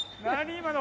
今の！